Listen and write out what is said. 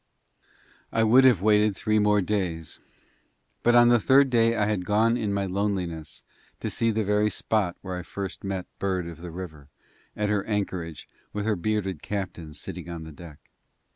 I would have waited three more days, but on the third day I had gone in my loneliness to see the very spot where first I met Bird of the River at her anchorage with her bearded captain sitting on the deck.